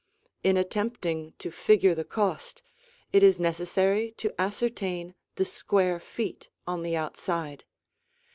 In attempting to figure the cost, it is necessary to ascertain the square feet on the outside.